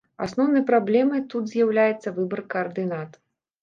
Асноўнай праблемай тут з'яўляецца выбар каардынат.